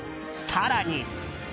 更に。